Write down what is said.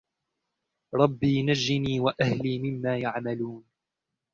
رب نجني وأهلي مما يعملون